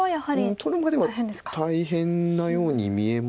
取るまでは大変なように見えますけど。